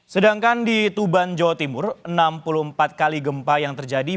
sedangkan di tuban jawa timur enam puluh empat kali gempa yang terjadi